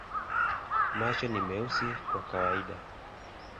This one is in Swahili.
Macho ni meusi kwa kawaida.